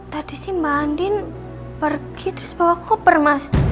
tadi sih mbak andin pergi terus bawa koper mas